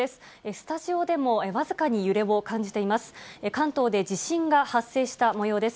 スタジオでも僅かに揺れを感じています。